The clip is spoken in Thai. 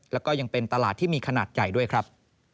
แล้วก็ยังเป็นตลาดที่มีขนาดใหญ่ด้วยครับ